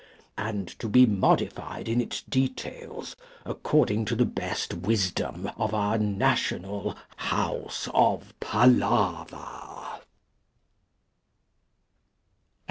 and to be modified in its details according to the best wisdom of our national House of Palaver.